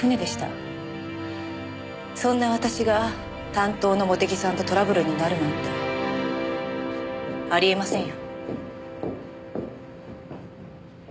そんな私が担当の茂手木さんとトラブルになるなんてありえませんよ。